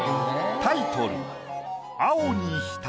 タイトル